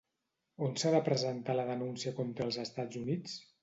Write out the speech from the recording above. On s'ha de presentar la denúncia contra els Estats Units?